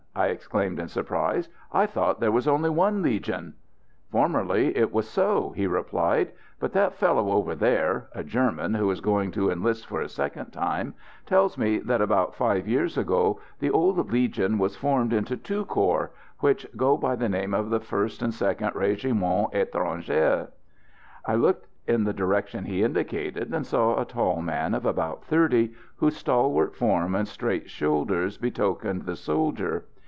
I exclaimed in surprise, "I thought there was only one Legion." "Formerly it was so," he replied; "but that fellow over there a German, who is going to enlist for a second time tells me that about five years ago the old Legion was formed into two corps, which go by the name of the 1st and 2nd Régiments Étrangers." I looked in the direction he indicated, and saw a tall man of about thirty, whose stalwart form and straight shoulders betokened the soldier.